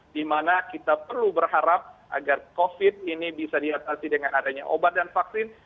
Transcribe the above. dimana kita perlu berharap agar covid ini bisa diatasi dengan adanya obat dan vaksin